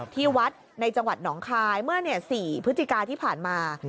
ที่วัดในจังหวัดหนองคายเมื่อ๔พฤศจิกาที่ผ่านมา